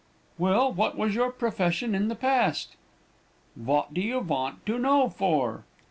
"'Well, what was your profession in the past?' "'Vot do you vant to know for?'